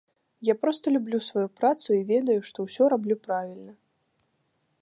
Я проста люблю сваю працу і ведаю, што ўсё раблю правільна.